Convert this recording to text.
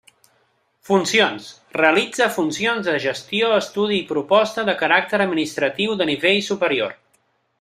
Funcions: realitza funcions de gestió, estudi i proposta de caràcter administratiu de nivell superior.